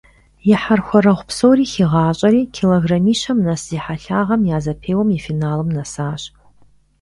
И хьэрхуэрэгъу псори хигъащӏэри, килограмми щэм нэс зи хьэлъагъхэм я зэпеуэм и финалым нэсащ.